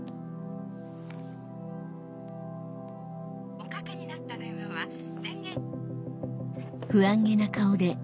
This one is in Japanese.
おかけになった電話は電源。